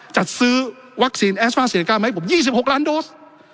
จัดซื้อวัคซีนแอศฟ้า๔๙ไหมผม๒๖ล้านโดส